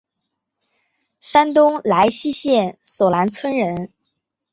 山东莱西县索兰村人。